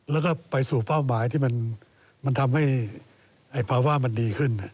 แล้วก็ไปสู่เป้าหมายที่มันทำให้ภาวะมันดีขึ้น